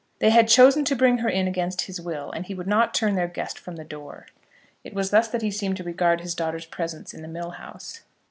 They had chosen to bring her in against his will, and he would not turn their guest from the door. It was thus that he seemed to regard his daughter's presence in the mill house.